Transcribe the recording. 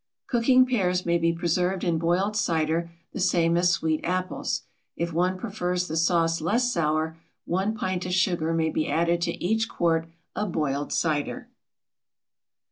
Cooking pears may be preserved in boiled cider the same as sweet apples. If one prefers the sauce less sour, 1 pint of sugar may be added to each quart of boiled cider.